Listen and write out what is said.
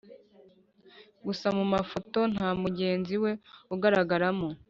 gusa mu mafoto nta mugenzi we ugaragaramo